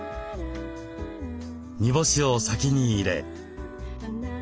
煮干しを先に入れ。